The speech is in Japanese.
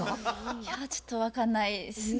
いやちょっと分かんないですね。